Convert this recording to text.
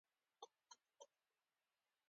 د کان مرستیال کروچکوف ډګروال ته راغی